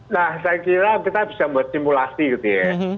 nah saya kira kita bisa membuat simulasi gitu ya